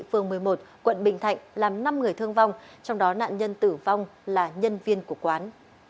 phường một mươi một quận bình thạnh làm năm người thương vong trong đó nạn nhân tử vong là nhân viên của quán